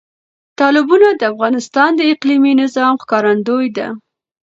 تالابونه د افغانستان د اقلیمي نظام ښکارندوی ده.